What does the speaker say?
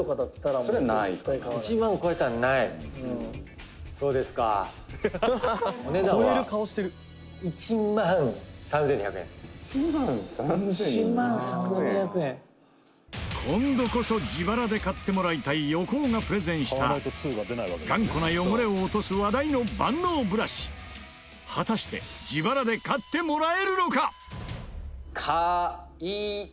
三浦・水田：「１万３２００円」今度こそ自腹で買ってもらいたい横尾がプレゼンした頑固な汚れを落とす話題の万能ブラシ果たして自腹で買ってもらえるのか？